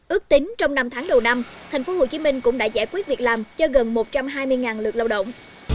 ước tính trong năm tháng đầu năm tp hcm cũng đã giải quyết việc làm cho gần một trăm hai mươi lượt lao động